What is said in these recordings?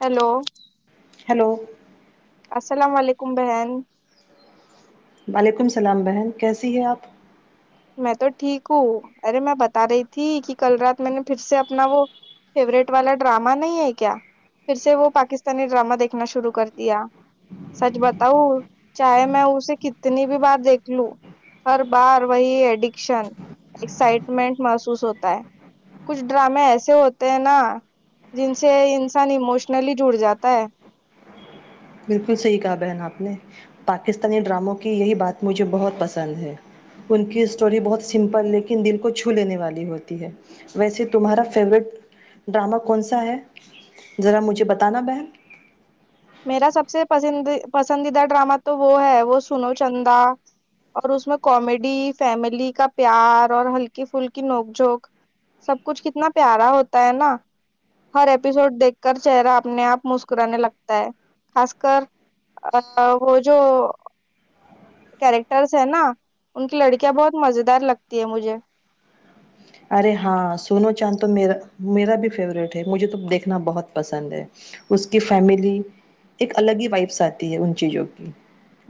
hello hello السلام علیکم بہن وعلیکم السلام بہن کیسی ہے آپ میں تو ٹھیک ہوں ارے میں بتا رہی تھی کہ کل رات میں نے پھر سے اپنا وہ فیورٹ والا ڈرامہ نہیں ہے کیا پھر سے وہ پاکستانی ڈرامہ دیکھنا شروع کر دیا سچ بتاؤ چاہے میں اسے کتنی بھی بار دیکھ لوں ہر بار وہی ایڈکشن ایکسائٹمنٹ محسوس ہوتا ہے کچھ ڈرامے ایسے ہوتے ہیں نا جن سے انسان ایموشنلی جڑ جاتا ہے بالکل صحیح کہا بہن آپ نے پاکستانی ڈراموں کی یہی بات مجھے بہت پسند ہے ان کی اسٹوری بہت سمپل لیکن دل کو چھو لینے والی ہوتی ہے ویسے تمہارا فیوریٹ ڈرامہ کون سا ہے ذرا مجھے بتانا بہن ما سب پسندیدہ ڈرامہ تو وہ ہے وہ سنو چندا اور اس میں کامیڈی فیملی کا پیار اور ہلکی پھلکی نوک جھونک سب کچھ کتنا پیارا ہوتا ہے نا ہر ایپیسوڈ دیکھ کر چہرہ اپنے آپ مسکرانے لگتا خاص کر وہ جو کیریکٹرس ہے نا ان کی لڑکیاں بہت مز دار لگتی ہے مجھے ارے ہاں سونو چاند تو ما میرا بھی فیوروریٹ ہے مجھے تو دیکھنا بہت پسند ہے اس کی فیملی ایک الگ ہی وائفس آتی ہے ان چیزوں کی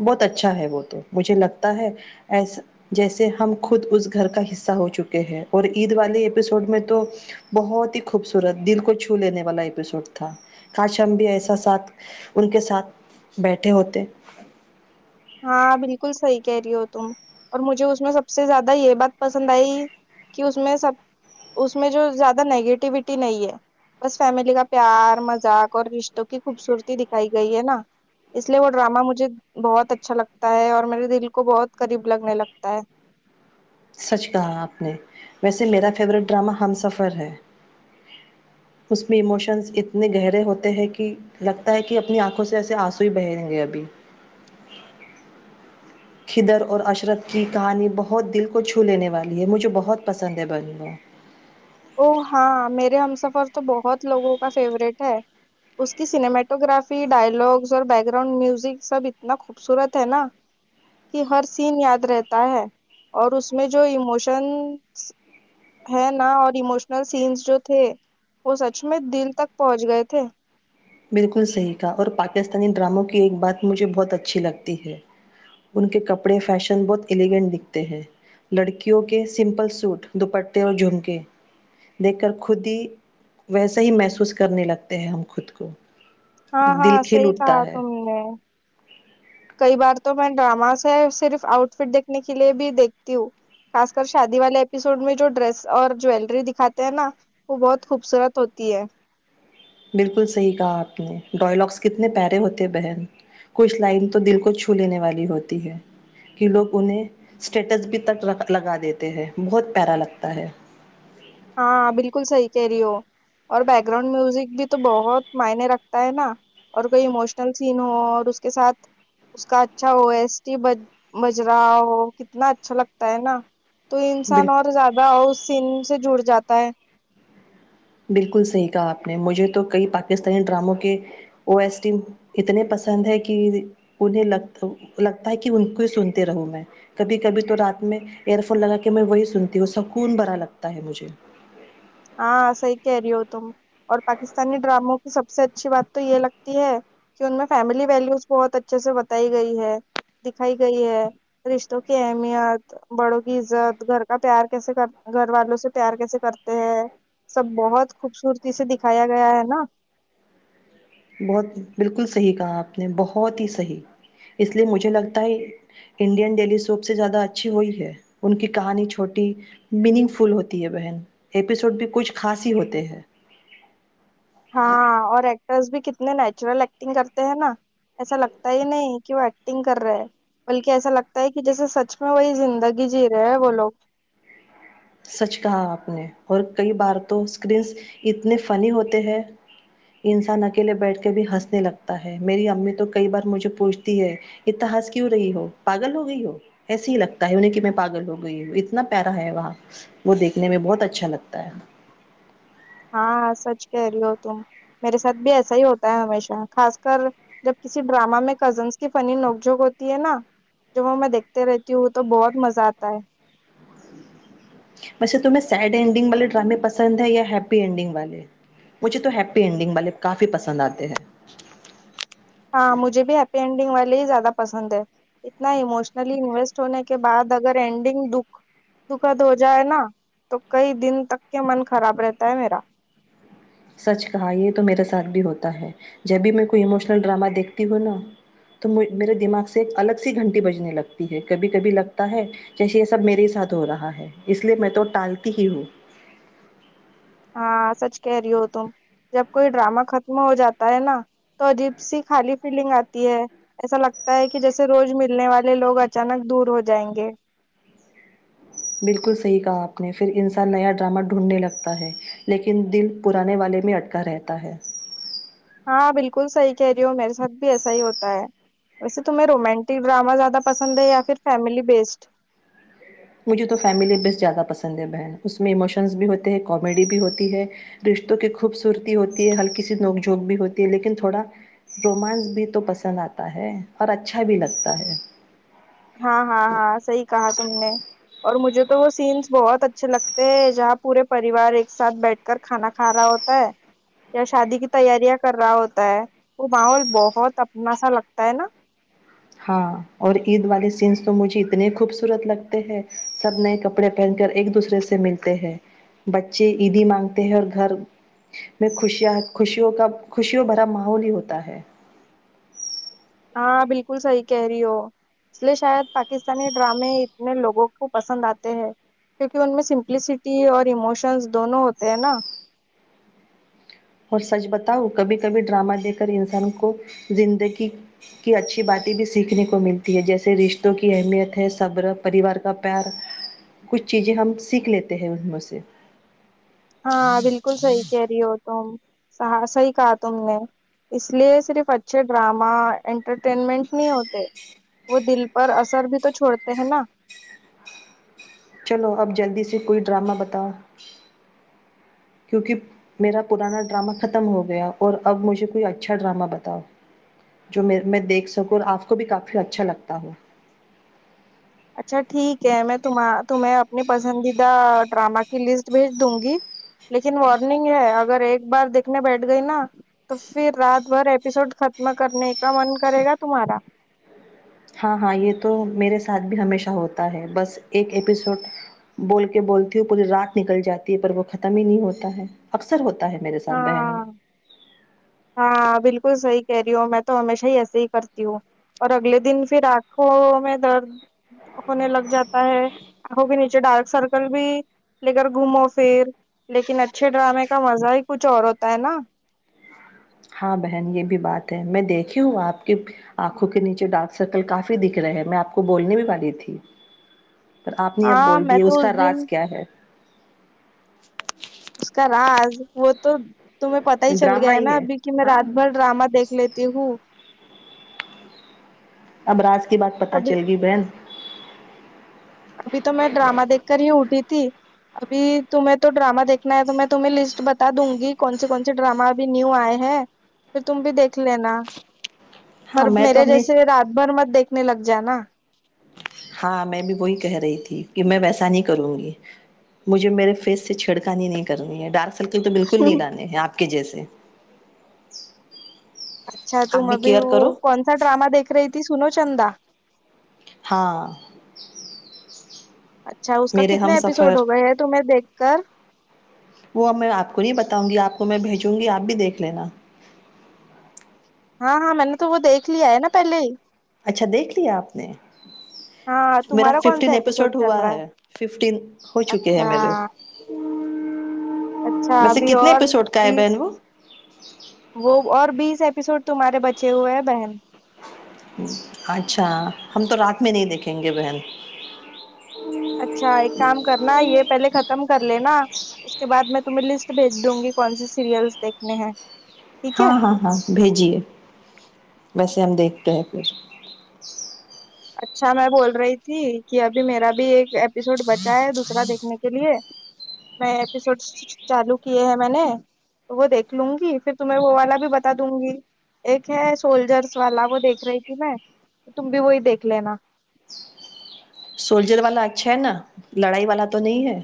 بہت اچھا ہے وہ تو مجھے لگتا ہے ایس جیسے ہم خود اس گھر کا حصہ ہو چکے ہیں اور عید والے ایپیسوڈ میں تو بہت ہی خوبصورت دل کو چھو لینے والا ایپیسوڈ تھا کاش ہم بھی ایسا ساتھ ان کے ساتھ بیٹھے ہوتے ہاں بالکل صحیح کہہ رہی ہو تم اور مجھے اس میں سب سے زیادہ یہ بات پسند آئی کہ اس میں سب اس میں جو زیادہ نگیٹیوٹی نہیں ہے بس فیملی کا پیار مذاق اور رشتوں کی خوبصورتی دکھائی گئی ہے نا اس لیے وہ ڈرامہ مجھے بہت اچا اچھا لگتا ہے اور میرے دل کو بہت قریب لگنے لگتا ہے سچ کہا آپ نے ویسے میرا فیورٹ ڈرامہ ہم سفر ہے اس میں اموشنس اتنے گہرے ہوتے ہیں کہ لگتا ہے کہ اپنی آنکھوں سے ایسے آنسوئی بہیں گے ابھی کدر اور عشرت کی کہانی بہت دل کو چھو لینے والی ہے مجھے بہت پسند ہے بنو او ہاں میرے ہم سفر تو بہت لوگوں کا فیوروریٹ ہے اس کی سنیمیٹو گرافی ڈائلگس اور بیک گراؤنڈ میوزک سب اتنا خوبصورت ہے نا کہ ہر سین یاد رہتا ہے اور اس میں جو ایموشن ہے نا اور ایموشنل سینس جو تھے وہ سچ میں دل تک پہنچ گئے تھے بالکل صحیح کا اور پاکستانی ڈراموں کی ایک بات مجھے بہت اچھی لگتی ہے ان کے کپڑے فیشن بہت ایلیگینٹ دکھتے ہیں لڑکیوں کے سمپل سوٹ دوپٹے اور جھمکے دیکھ کر خود ہی ویسا ہی محسوس کرنے لگتے ہیں ہم خود کو ہاں دل ہاں کھل صحی کہا اٹھتا ہے تم نے کئی بار تو میں ڈراما سے صرف آؤٹ فٹ دیکھنے کے لیے بھی دیکھتی ہوں خاص کر شادی والے اپپیسوڈ میں جو ڈریس اور جیلری دکھاتے ہیں نا وہ بہت خوبصورت ہوتی ہے بالکل صحیح کہا آپ نے ڈائیلاگس کتنے پیارے ہوتے بہن کچھ لائن تو دل کو چھو لینے والی ہوتی ہے کہ لوگ انہیں اسٹیٹس بھی تک لگا دیتے ہیں بہت پیارا لگتا ہے ہاں بالکل صحیح کہہ رہی ہو اور بیک گراؤنڈ میوزک بھی تو بہت معنے رکھتا ہے نا اور کوئی اموشنل سین ہو اور اس کے ساتھ اس کا اچھا ہوسٹی بجرا ہو کتنا اچھا لگتا ہے نا تو بال انسان اور زیادہ ہو اس سین سے جڑ جاتا ہے بالکل صحیح کہا آپ نے مجھے تو کئی پاکستانی ڈراموں کے او ایس ٹی اتنے پسند ہیں کہ انہیں لگ لگتا ہے کہ ان کو ہی سنتے رہوں میں کبھی کبھی تو رات میں ایئر فون لگا کے میں وہی سنتی ہوں سکون بڑا لگتا ہے مجھے ہاں صحی کہہ رہی ہو تم اور پاکستانی ڈراموں کی سب سے اچھی بات تو یہ لگتی ہے کہ ان میں فیملی ویلوز بہت اچھے سے بتائی گئی ہے دکھائی گئی ہے رشتوں کی اہمیت بڑوں کی عزت گھر کا پیار کیسے کر گھر والوں سے پیار کیسے کرتے سب بہت خوبصورتی سے دکھایا گیا ہے نا بہت بالکل صحیح کہا آپ نے بہت ہی صحیح اس لیے مجھے لگتا ہے انڈین ڈیلی سوب سے زیادہ اچھی ہوئی ہے ان کی کہانی چھوٹی میننگ فل ہوتی ہے بہن ایپیسوڈ بھی کچھ خاص ہی ہوتے ہے ہاں اور ایکٹرس بھی کتنے نیچرل ایکٹنگ کرتے ہیں نا ایسا لگتا ہی نہیں کہ وہ ایکٹنگ کر رہے بلکہ ایسا لگتا ہے کہ جیسے سچ میں وہی زندگی جی رہے ہیں وہ لوگ سچ کہا آپ نے اور کئی بار تو اسکرینس اتنے فنی ہوتے ہیں انسان اکیلے بیٹھ کے بھی ہنسنے لگتا ہے میری امی تو کئی بار مجھے پوچھتی ہے اتنا ہنس کیوں رہی ہو پاگل ہو گئی ہو ایسے ہی لگتا ہے انہیں کہ میں پاگل ہو گئی ہوں اتنا پیارا ہے وہاں وہ دیکھنے میں بہت اچھا لگتا ہے ہاں سچ کہہ رہی ہو تم میرے ساتھ بھی ایسا ہی ہوتا ہے ہمیشہ خاص کر جب کسی ڈرامہ میں کزنس کی فنی نوک جھونک ہوتی ہے نا ج وہ میں دیکھتے رہتی ہوں تو بہت مزہ آتا ہے ویسے تمہیں سیڈ اینڈنگ والے ڈرامے پسند ہیں یا ہیپی اینڈنگ والے مجھے تو ہیپی اینڈنگ والے کافی پسند آتے ہیں ہاں مجھے بھی ہیپی اینڈنگ والے ہی زیادہ پسند ہے اتنا اموشنلی انویسٹ ہونے کے بعد اگر اینڈنگ د دکھد ہو جائے نا تو کئی دن تک کے من خراب رہتا ہے میرا سچ کہا یہ تو میرے ساتھ بھی ہوتا ہے جب بھی میں کوئی اموشنل ڈرامہ دیکھتی ہوں نا تو میرے دماغ سے ایک الگ سی گھنٹی بجنے لگتی ہے کبھی کبھی لگتا ہے جیسے یہ سب میرے ساتھ ہو رہا ہے اس لیے میں تو ٹالتی ہی ہوں ہاں سچ کہہ رہی ہو تم جب کوئی ڈرامہ ختم ہو جاتا ہے نا تو عجیب سی خالی فیلنگ آتی ہے ایسا لگتا ہے کہ جیسے روز ملنے والے لوگ اچانک دور ہو جائیں گے بالکل صحیح کہا آپ نے پھر انسان نیا ڈرامہ ڈھونڈنے لگتا ہے لیکن دل پرانے والے میں اٹکا رہتا ہے ہاں بالکل صحیح کہہ رہی ہو میرے ساتھ بھی ایسا ہی ہوتا ہے ویسے تمہیں رومانٹک ڈرامہ زیادہ پسند ہے یا پھر فیملی بیسڈ مجھے تو فیملی بس زیادہ پسند ہے بہن اس میں ایموشنز بھی ہوتے ہیں کامیڈی بھی ہوتی ہے رشتوں کی خوبصورتی ہوتی ہے ہلکی سی نوک جھونک بھی ہوتی ہے لیکن تھوڑا رومانس بھی تو پسند آتا ہے اور اچھا بھی لگتا ہے ہاں ہاں ہاں صحیح کہا تھا سننے اور مجھے تو وہ سینس بہت اچھے لگتے ہیں جہاں پورے پریوار ایک ساتھ بیٹھ کر کھانا کھا رہا ہوتا ہے یا شادی کی تیاریاں کر رہا ہوتا ہے وہ ماحول بہت اپنا سا لگتا ہے نا ہاں اور عید والے سینس تو مجھے اتنے خوبصورت لگتے ہیں سب نئے کپڑے پہن کر ایک دوسرے سے ملتے ہیں بچے عیدی مانگتے ہیں اور گھر میں خوشیاں خوشیوں کا خوشیوں بھرا ماحول ہی ہوتا ہے ہاں بالکل صحیح کہہ رہی ہو اس لیے شاید پاکستانی ڈرامے اتنے لوگوں کو پسند آتے ہیں کیونکہ ان میں سمپلسٹی اور ایموشنز دونوں ہوتے ہیں نا اور سچ بتاؤ کبھی کبھی ڈرامہ دیکھ کر انسان کو زندگی کی اچھی باتیں بھی سیکھنے کو ملتی ہے جیسے رشتوں کی اہمیت ہے صبر پریوار کا پیار کچھ چیزیں ہم سیکھ لیتے ہیں ان میں سے ہاں بالکل سحی کہہ رہی ہو تو سحا صی کہا تم نے اس لیے صرف اچھے ڈرامہ انٹرٹینمنٹ نہیں ہوتے وہ دل پر اثر بھی تو چھوڑتے ہیں نا چلو اب جلدی سے کوئی ڈرامہ بتاؤ کیونکہ میرا پرانا ڈرامہ ختم ہو گیا اور اب مجھے کوئی اچھا ڈرامہ بتاؤ جو میں میں دیکھ سکوں اور آپ کو بھی کافی اچھا لگتا ہو اچھا ٹھیک کیا میں تم تمہ اپنی پسندیدہ ڈرامہ کی لسٹ بھیج دوں گی لیکن وارننگ ہے اگر ایک بار دیکھنے بیٹھ گئی نا تو پھر رات بھر ایپیسوڈ ختم کرنے کا من کرے گا تمہارا ہاں ہاں یہ تو میرے ساتھ بھی ہمیشہ ہوتا ہے بس ایک ایپیسوڈ بول کے بولتی ہ پوری رات نکل جاتی ہے پر وہ ختم ہی نہیں ہوتا ہے اکثر ہوتا ہے میرے ساتھ بہن یہ ہاں ہاں بالکل سحی کیری ہو میں تو ہمیشہ ہی ایسے ہی کرتی ہوں اور اگلے دن پھر آنکھوں میں درد ہونے لگ جاتا ہے آنکھوں کے نیچے ڈارک سرکل بھی لے کر گھومو پھر لیکن اچھے ڈرامے کا مزہ ہی کچھ اور ہوتا ہے نا ہاں بہن یہ بھی بات ہے میں دیکھی ہوں آپ کی آنکھوں کے نیچے ڈارک سرکل کافی دکھ رہے ہے میں آپ کو بولنے بھی والی تھی پر آپ نے اب ہاں بول میں دیے تو اس کا راج دن کیا ہے [inaudible] اس کا راز وہ تو تومہیں پتتا ہی چل ڈرامہ گیا ہے ہی نا ابھی کہ میں ہاں رات بھر ڈرامہ دیکھ لیتی ہوں ابراج [unintelligible] کی بات پتا ابھی چلے گی بہن ابھی تو میں ڈرامہ دیکھ کر ہی اٹھی تھی ابھی تمہیں تو ڈرامہ دیکھنا ہے تو میں تمہیں لسٹ بتا دوں گی کون سے کون سے ڈرامہ ابھی نیو آئے ہیں پھر تم بھی دیکھ لینا ہاں پر میں تو میرے اپنی جیسے رات بھر مت دیکھ سنے لگ ج نا ہاں میں بھی وہی کہہ رہی تھی کہ میں ویسا نہیں کروں گی مجھے میرے فیس سے چھڑکانی نہیں کرنی ہے ڈارک کے تو بالکل نہیں لانے ہیں آپ آپ کی جیسے اچھا آپ تم بھی ابھی کیئر وہ کرو کون سا ڈرامہ دیکھ رہی تھی سنو چندا ہاں اچھا اس کا میرے کتنے ہم سفر ایپیسوڈ ہو گئے ہے تمہیں دیکھ گ وہ میں آپ کو نہیں بتاؤں گی آپ کو میں بھیجوں گی آپ بھی دیکھ لینا ہاں ہاں میں نے تو وہ دیکھ لیا ہے نا پہلے ہی اچھا دیکھ لیا آپ نے ہاں میرا تمہارا کون سا ففٹین ایپیسوڈ چل ہوا رہا ہے ففٹین ہو چکے ہیں اچھا میرے اچھا ویسے ابھی کتنے اور ایپیسوڈ کا ہے بیس بہن وہ وہ اور بیس ایسوڈ تمہارے بچے ہوئے ہیں بہن اچھا ہم تو رات میں نہیں دیکھیں گے بہن اچھا ایک کام کرنا ہے یہ پہلے ختم کر لینا اس کے بعد میں تمہیں لسٹ بھیج دوں گی کون سی سیریلس دیکھنے ہیں [unintelligible] ہے ہاں ہاں ہاں بھیجیے ویسے ہم دیکھ ت پھر اچھا میں بول رہی تھی کہ ابھی میرا بھی ایک ایپیسوڈ بچا ہے دوسرا دیکھنے کے لیے میں ایپیسوڈ چالو کیے ہیں میں نے وہ دیکھ لوں گی پھر تمہیں وہ والا بھی بتا دوں گی ایک ہے سولجرس والا وہ دیکھ رہی تھی میں تم بھی وہی دیکھ رک لینا سولجر والا اچھا ہے نا لڑائی والا تو نہیں ہے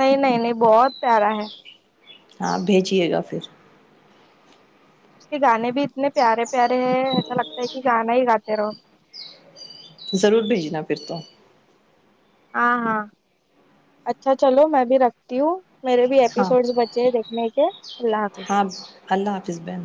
نہیں نہیں نہیں بہت پیارا ہے ہاں بھیجیے گا پھر اس کے گانے بھی اتنے پیارے پیارے ہیں ایسا لگتا ہے کہ گانا ہی گاتے رہو ضرور بھیجنا پھر تو ہاں ہاں اچھا چلو میں بھی رکھتی ہوں میرے بھی ہاں ایپیسوڈز بچے دیکھنے کے اللہ حافظ ہاں اللہ حافظ بہن